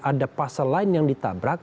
ada pasal lain yang ditabrak